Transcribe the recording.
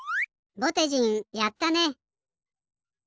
ぼてじんやったね！